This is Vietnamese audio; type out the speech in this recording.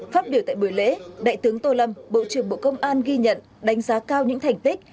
phát biểu tại buổi lễ đại tướng tô lâm bộ trưởng bộ công an ghi nhận đánh giá cao những thành tích